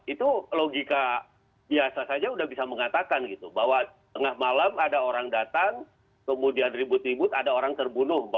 itu logika biasa saja sudah bisa mengatakan gitu bahwa tengah malam ada orang datang kemudian ribut ribut ada orang terbunuh